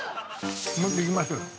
もう１通いきましょうよ。